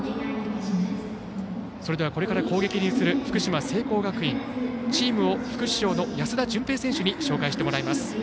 それではこれから攻撃に移る福島・聖光学院チームを副主将の安田淳平選手に紹介してもらいます。